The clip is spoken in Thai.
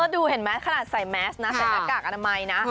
ดูเห็นไหมขนาดใส่แมสนะใส่หน้ากากอนามัยนะ